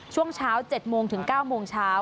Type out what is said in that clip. ช่วงเช้า๗โมงถึง๙โมงเช้า